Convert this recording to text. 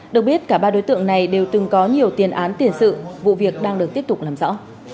được biết cả ba đối tượng này đều từng có nhiều tiền án tiền sự vụ việc đang được tiếp tục làm rõ